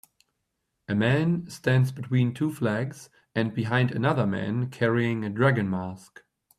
A man stands between two flags and behind another man carrying a dragon mask.